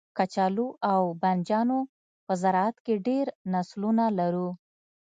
کچالو او بنجانو په زرعت کې ډیر نسلونه لرو